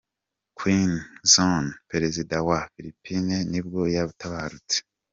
Quezon, perezida wa wa Philippines nibwo yatabarutse.